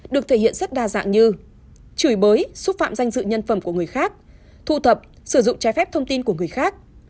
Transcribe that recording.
được thể hiện rất đa dạng như chửi bới xúc phạm danh dự nhân phẩm của người khác thu thập sử dụng trái phép thông tin của người khác